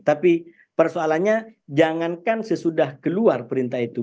tapi persoalannya jangankan sesudah keluar perintah itu